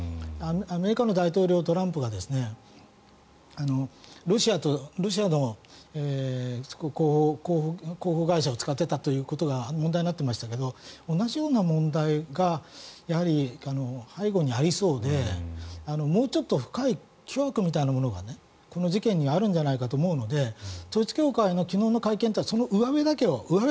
アメリカの大統領、トランプがロシアの広報会社を使っていたということが問題になっていましたが同じような問題がやはり背後にありそうでもうちょっと深い巨悪みたいなものがこの事件にあるんじゃないかと思うので統一教会の昨日の会見はそのうわべだけ。